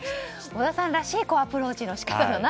織田さんらしいアプローチの仕方ですね。